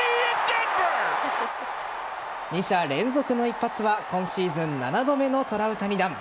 ２者連続の一発は今シーズン７度目のトラウタニ弾。